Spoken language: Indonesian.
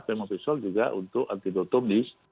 pemofisol juga untuk antidotum di